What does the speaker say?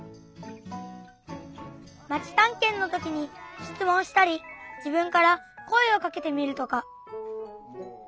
まちたんけんのときにしつもんしたり自分から声をかけてみるとか。